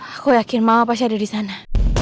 aku yakin mama pasti ada di sana